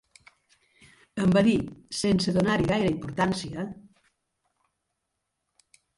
Em va dir, sense donar-hi gaire importància